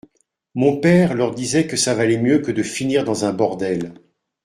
Mon père leur disait que ça valait mieux que de finir dans un bordel.